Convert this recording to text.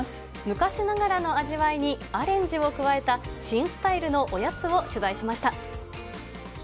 昔ながらの味わいにアレンジを加えた新スタイルのおやつを取材しました。